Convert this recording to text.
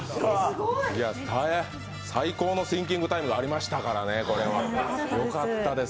いや、最高のシンキングタイムがありましたからね、よかったです。